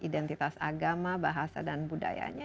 identitas agama bahasa dan budayanya